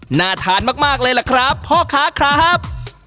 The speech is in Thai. หน้าทานมากเลยล่ะครับ